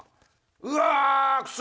うわクソ！